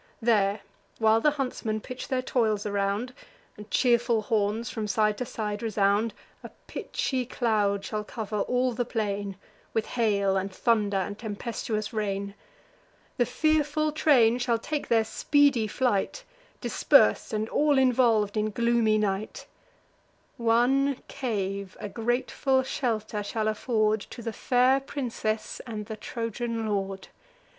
There, while the huntsmen pitch their toils around, And cheerful horns from side to side resound, A pitchy cloud shall cover all the plain With hail, and thunder, and tempestuous rain; The fearful train shall take their speedy flight, Dispers'd, and all involv'd in gloomy night; One cave a grateful shelter shall afford To the fair princess and the Trojan lord.